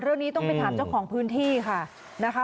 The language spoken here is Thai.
เรื่องนี้ต้องไปถามเจ้าของพื้นที่ค่ะนะคะ